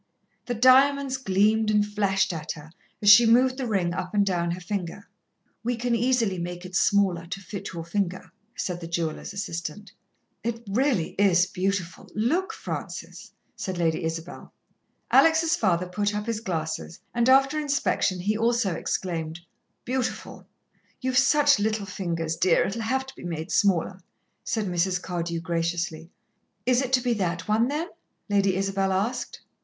The diamonds gleamed and flashed at her as she moved the ring up and down her finger. "We can easily make it smaller, to fit your finger," said the jeweller's assistant. "It really is beautiful. Look, Francis," said Lady Isabel. Alex' father put up his glasses, and after inspection he also exclaimed: "Beautiful." "You've such little fingers, dear, it'll have to be made smaller," said Mrs. Cardew graciously. "Is it to be that one, then?" Lady Isabel asked.